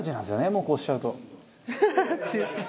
もうこうしちゃうと正直。